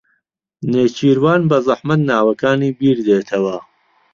نێچیروان بەزەحمەت ناوەکانی بیردێتەوە.